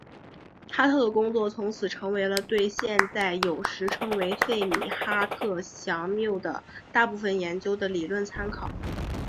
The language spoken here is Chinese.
哈特的工作从此成为了对现在有时称为费米哈特佯谬的大部分研究的理论参考。